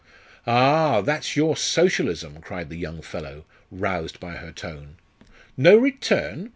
"Ah! that's your Socialism!" cried the young fellow, roused by her tone. "No return?